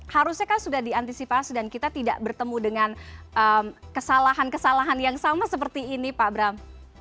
harusnya kan sudah diantisipasi dan kita tidak bertemu dengan kesalahan kesalahan yang sama seperti ini pak bram